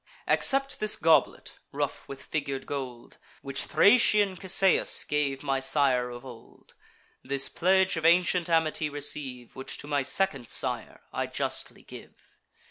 Accept this goblet, rough with figur'd gold, Which Thracian Cisseus gave my sire of old: This pledge of ancient amity receive, Which to my second sire I justly give."